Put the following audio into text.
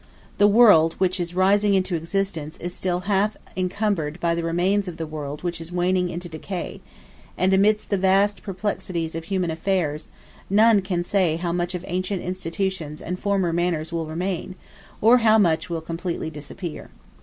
The world which is rising into existence is still half encumbered by the remains of the world which is waning into decay; and amidst the vast perplexity of human affairs, none can say how much of ancient institutions and former manners will remain, or how much will completely disappear.